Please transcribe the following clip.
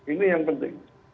ini yang penting